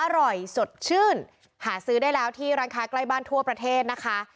อร่อยสดชื่นหาซื้อได้แล้วที่ร้านค้าใกล้บ้านทั่วประเทศนะคะ